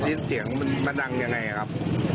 ยินเสียงมันมาดังอย่างไรครับ